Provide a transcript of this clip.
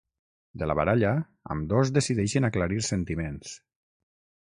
De la baralla, ambdós decideixen aclarir sentiments.